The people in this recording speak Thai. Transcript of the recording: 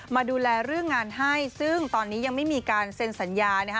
มาดูแลเรื่องงานให้ซึ่งตอนนี้ยังไม่มีการเซ็นสัญญานะฮะ